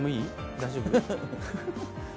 大丈夫？